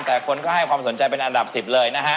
แต่คนก็ให้ความสนใจเป็นอันดับ๑๐เลยนะฮะ